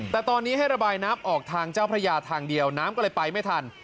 แต่ตอนนี้ให้ระบายน้ำออกทางเจ้าพระยาทางเดียวน้ำก็เลยไปไม่ทัน